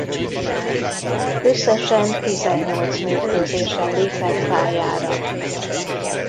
Összesen tizennyolc mérkőzésen lépett pályára.